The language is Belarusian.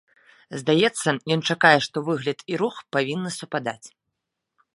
Здаецца, ён чакае, што выгляд і рух павінны супадаць.